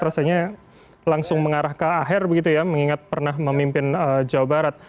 rasanya langsung mengarah ke akhir begitu ya mengingat pernah memimpin jawa barat